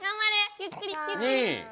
ゆっくりゆっくり。